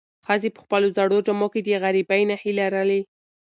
ښځې په خپلو زړو جامو کې د غریبۍ نښې لرلې.